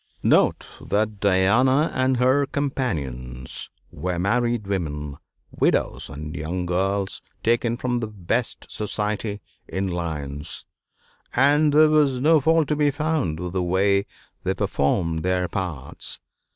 Note that Diana and her companions were married women, widows, and young girls, taken from the best society in Lyons, and there was no fault to be found with the way they performed their parts.